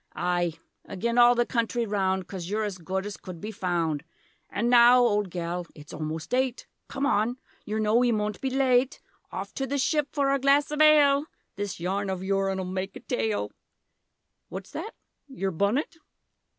Aye; agen all the country round, Coz you're as good as could be found An' now old gel it's omost eight, Come on yer know we moant be late, Off to the Ship for our glass of aale; This yarn of yourn'll make a taale! What's that yer bunnet?